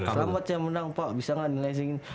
selamat saya menang pak bisa gak di lesingin